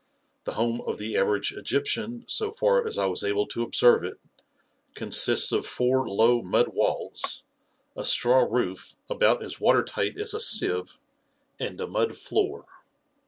The home of the average Egyptian, so far as I was able to ob serve it, consists of four low mud walls, a straw roof about as water tight as a sieve, and a mud floor.